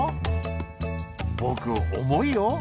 「ぼくおもいよ」。